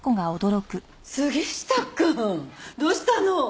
杉下くんどうしたの？